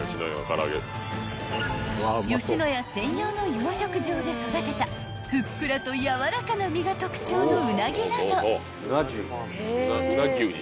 ［野家専用の養殖場で育てたふっくらとやわらかな身が特徴のウナギなど］